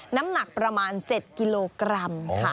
น้ำหนักประมาณ๗กิโลกรัมค่ะ